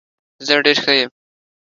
زه ډیر ښه یم.